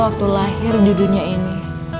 waktu lahir di dunia ini